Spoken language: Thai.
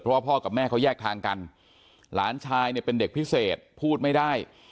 เพราะว่าพ่อกับแม่เขาแยกทางกันหลานชายเนี่ยเป็นเด็กพิเศษพูดไม่ได้